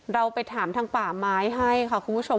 เราไปถามทางป่าไม้ให้ค่ะคุณผู้ชม